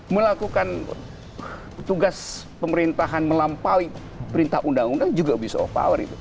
melakukan tugas pemerintahan melampaui perintah undang undang juga abuse of power itu